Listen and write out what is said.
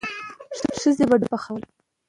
ښځې به ډوډۍ پخوله.